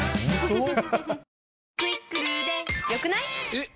えっ！